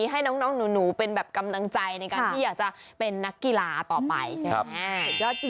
ให้น้องนิ้วนูเป็นแบบกำลังใจเฉะอยากจะเป็นนักกีฬาต่อบ้าด้วย